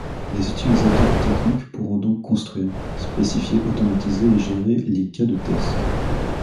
Les utilisateurs techniques pourront donc construire, spécifier, automatiser et gérer les cas de test.